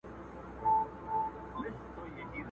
نن به څه خورې سړه ورځ پر تېرېدو ده٫